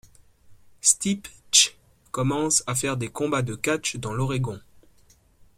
Stipch commence à faire des combats de catch dans l'Oregon.